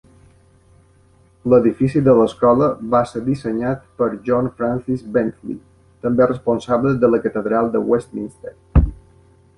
L'edifici de l'escola va ser dissenyat per John Francis Bentley, també responsable de la catedral de Westminster.